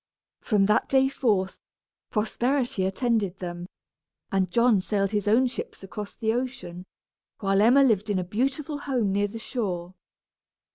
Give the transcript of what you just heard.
From that day forth, prosperity attended them, and John sailed his own ships across the ocean, while Emma lived in a beautiful home near the shore.